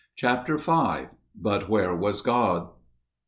Chapter V But Where Was God?